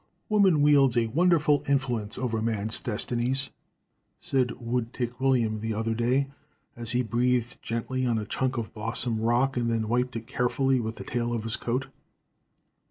"Woman wields a wonderful influence over man's destinies," said Woodtick William, the other day, as he breathed gently on a chunk of blossom rock and then wiped it carefully with the tail of his coat.